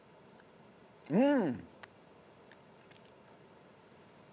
うん！